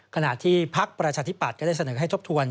ขณะที่พักประชาธิปัตย์ก็ได้เสนอให้ทบทวน